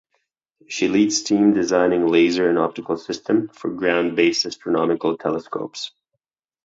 She leads teams designing laser and optical systems for ground based astronomical telescopes.